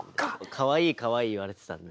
「かわいいかわいい」言われてたんで。